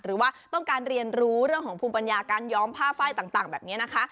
หรือว่าต้องการเรียนรู้เรื่องของภูมิปัญญาการย้อมผ้าไฟต่างแบบนี้นะคะ